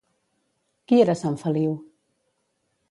Qui era sant Feliu?